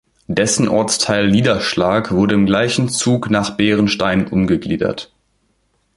Dessen Ortsteil Niederschlag wurde im gleichen Zug nach Bärenstein umgegliedert.